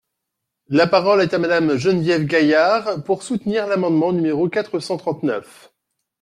La parole est à Madame Geneviève Gaillard, pour soutenir l’amendement numéro quatre cent trente-neuf.